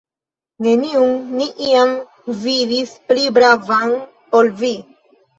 Neniun ni iam vidis pli bravan, ol vi!